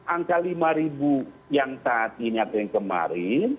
angka lima ribu yang tadi atau yang kemarin